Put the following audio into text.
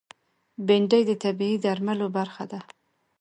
بېنډۍ د طبعي درملو برخه ده